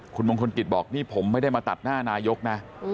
คุณมงคลกิจบอกนี่ผมไม่ได้มาตัดหน้านายกนะ